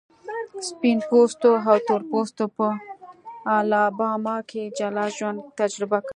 سپین پوستو او تور پوستو په الاباما کې جلا ژوند تجربه کړ.